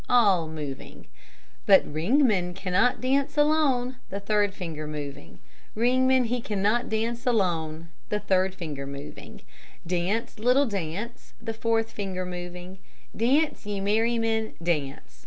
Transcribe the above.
(all moving But Ringman cannot dance alone, (the third finger moving Ringman, he cannot dance alone. (the third finger moving Dance, Littleman, dance, (the fourth finger moving Dance, ye merrymen, dance.